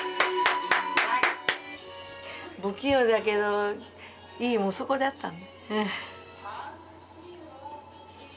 不器用だけどいい息子だったの。